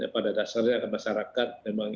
pada dasarnya masyarakat memang